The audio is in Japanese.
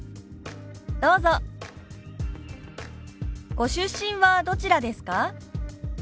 「ご出身はどちらですか？」。